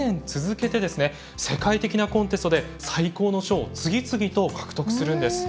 世界的なコンテストで最高の賞を次々と獲得するんです。